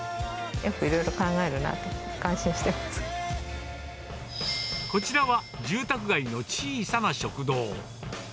よくいろいろ考えるなと、こちらは住宅街の小さな食堂。